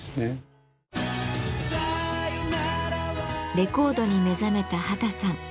レコードに目覚めた秦さん。